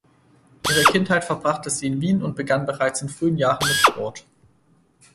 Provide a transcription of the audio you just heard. Ihre Kindheit verbrachte sie in Wien und begann bereits in frühen Jahren mit Sport.